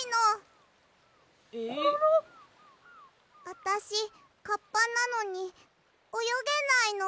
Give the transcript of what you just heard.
あたしカッパなのにおよげないの。